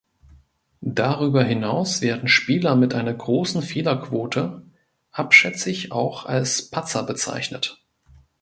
Darüber hinaus werden Spieler mit einer großen Fehlerquote abschätzig auch als "Patzer" bezeichnet.